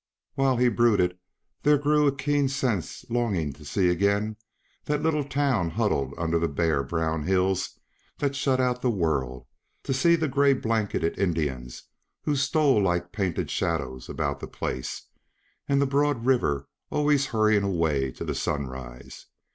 While he brooded grew a keen longing to see again the little town huddled under the bare, brown hills that shut out the world; to see the gay blanketed Indians who stole like painted shadows about the place, and the broad river always hurrying away to the sunrise.